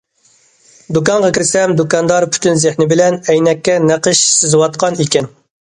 دۇكانغا كىرسەم دۇكاندار پۈتۈن زېھنى بىلەن ئەينەككە نەقىش سىزىۋاتقان ئىكەن.